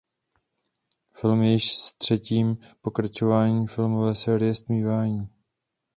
Film je již třetím pokračování filmové série Stmívání.